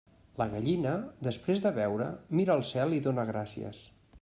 La gallina, després de beure, mira al cel i dóna gràcies.